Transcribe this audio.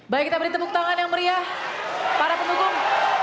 baik kita beri tepuk tangan yang meriah para pendukung